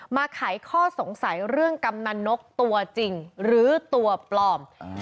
ไขข้อสงสัยเรื่องกำนันนกตัวจริงหรือตัวปลอม